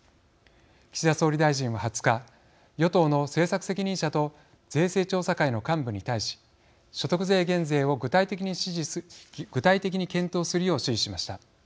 岸田総理大臣は２０日与党の政策責任者と税制調査会の幹部に対し所得税減税を具体的に検討するよう指示しました。